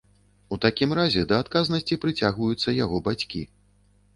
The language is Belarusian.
У такім разе да адказнасці прыцягваюцца яго бацькі.